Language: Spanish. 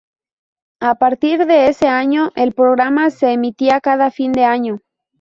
A partir de ese año, el programa se emitía cada fin de año.